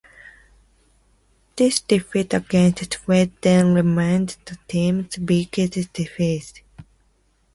This defeat against Sweden remains the team's biggest defeat.